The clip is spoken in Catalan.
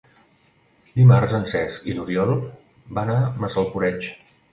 Dimarts en Cesc i n'Oriol van a Massalcoreig.